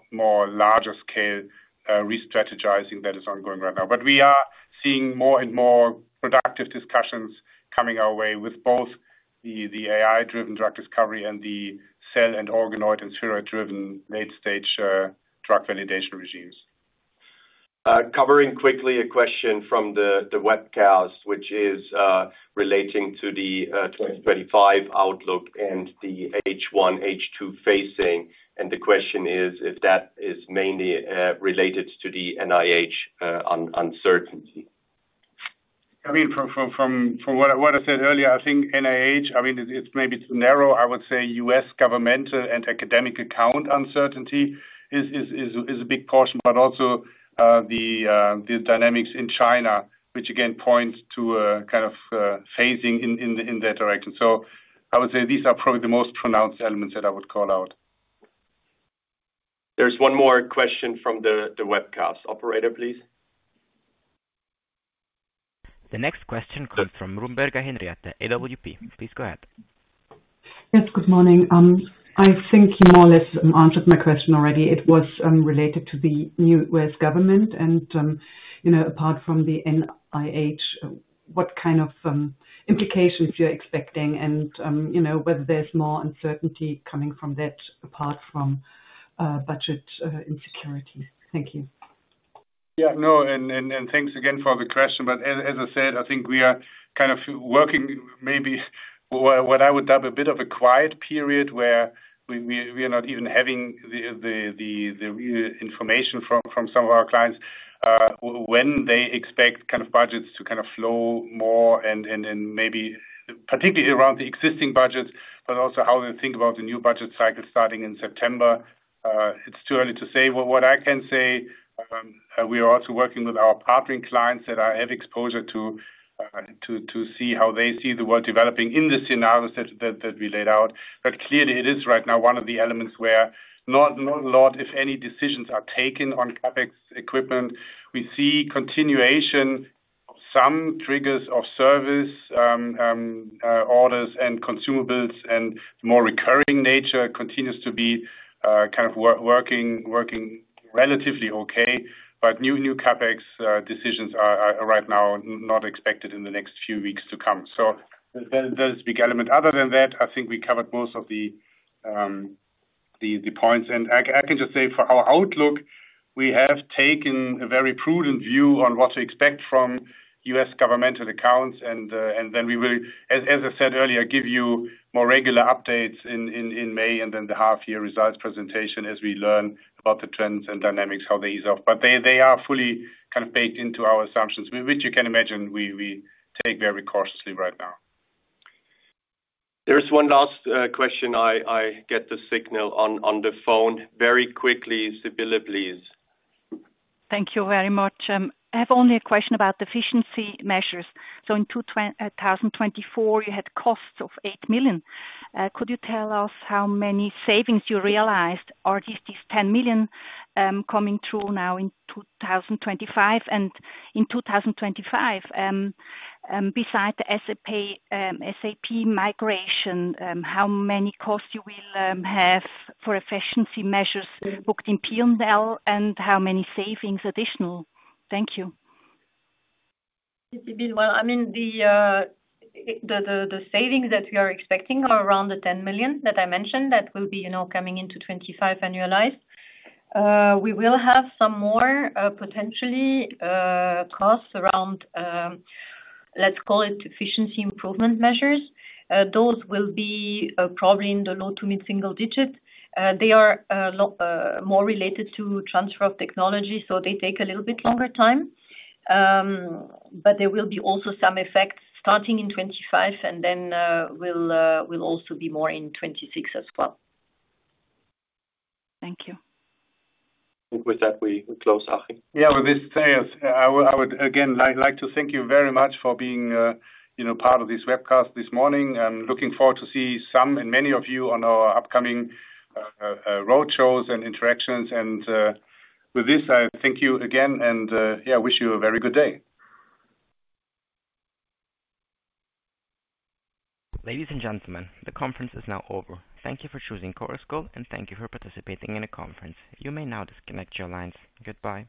[SPEAKER 2] larger scale restrategizing that is ongoing right now. We are seeing more and more productive discussions coming our way with both the AI-driven drug discovery and the cell and organoid and spheroid-driven late-stage drug validation regimes.
[SPEAKER 1] Covering quickly a question from the webcast, which is relating to the 2025 outlook and the H1, H2 phasing. The question is if that is mainly related to the NIH uncertainty.
[SPEAKER 2] I mean, from what I said earlier, I think NIH, I mean, it's maybe too narrow. I would say US governmental and academic account uncertainty is a big portion, but also the dynamics in China, which again points to kind of phasing in that direction. I would say these are probably the most pronounced elements that I would call out.
[SPEAKER 1] There's one more question from the webcast operator, please.
[SPEAKER 4] The next question comes from Ruberg Henriette, AWP. Please go ahead.
[SPEAKER 9] Yes, good morning. I think you more or less answered my question already. It was related to the US government. Apart from the NIH, what kind of implications you're expecting and whether there's more uncertainty coming from that apart from budget insecurities? Thank you. Yeah, no, and thanks again for the question.
[SPEAKER 3] As I said, I think we are kind of working maybe what I would dub a bit of a quiet period where we are not even having the real information from some of our clients when they expect kind of budgets to kind of flow more and maybe particularly around the existing budgets, but also how they think about the new budget cycle starting in September. It's too early to say. What I can say, we are also working with our Partnering clients that I have exposure to to see how they see the world developing in the scenarios that we laid out. Clearly, it is right now one of the elements where not a lot, if any, decisions are taken on CapEx equipment. We see continuation, some triggers of service orders and consumables and more recurring nature continues to be kind of working relatively okay. But new CapEx decisions are right now not expected in the next few weeks to come. There's a big element. Other than that, I think we covered most of the points. I can just say for our outlook, we have taken a very prudent view on what to expect from US governmental accounts. We will, as I said earlier, give you more regular updates in May and then the half-year results presentation as we learn about the trends and dynamics, how they ease off. They are fully kind of baked into our assumptions, which you can imagine we take very cautiously right now.
[SPEAKER 1] There's one last question. I get the signal on the phone. Very quickly, Sibylle, please. Thank you very much. I have only a question about efficiency measures. In 2024, you had costs of 8 million. Could you tell us how many savings you realized? Are these 10 million coming through now in 2025? In 2025, beside the SAP migration, how many costs you will have for efficiency measures booked in P&L and how many savings additional? Thank you.
[SPEAKER 3] I mean, the savings that we are expecting are around the 10 million that I mentioned that will be coming into 2025 and realized. We will have some more potentially costs around, let's call it efficiency improvement measures. Those will be probably in the low to mid-single digits. They are more related to transfer of technology, so they take a little bit longer time. There will be also some effects starting in 2025 and then will also be more in 2026 as well. Thank you.
[SPEAKER 1] With that, we close.
[SPEAKER 2] Yeah, with this said, I would again like to thank you very much for being part of this webcast this morning and looking forward to seeing some and many of you on our upcoming roadshows and interactions. With this, I thank you again and yeah, wish you a very good day. Ladies and gentlemen, the conference is now over.
[SPEAKER 4] Thank you for choosing Chorus Call and thank you for participating in a conference. You may now disconnect your lines. Goodbye.